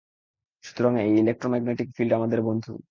সুতরাং, এই electromagnetic field আমাদের বন্ধু!